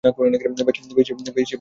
বেশ বেহিসেবি খরচা করা হয়েছে!